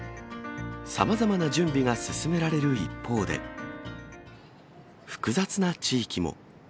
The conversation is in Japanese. さまざまな準備が進められる一方で、複雑な地域も。